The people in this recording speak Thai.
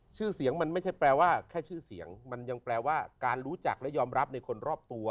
ชื่อเสียงมันไม่ใช่แปลว่าแค่ชื่อเสียงมันยังแปลว่าการรู้จักและยอมรับในคนรอบตัว